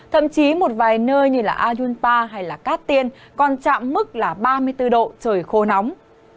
thậm chí một vài nơi như là a dương pa hay là cát tiên còn chạm mức là ba mươi bốn độ trời khô nóng